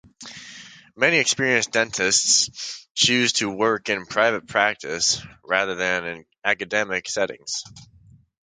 Many experienced dentists choose to work in private practice rather than in academic settings.